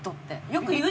よく言う。